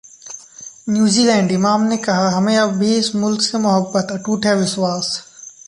New Zealand: इमाम ने कहा- हमें अब भी इस मुल्क से मोहब्बत, अटूट है विश्वास